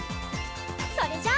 それじゃあ。